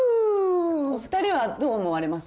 お二人はどう思われます？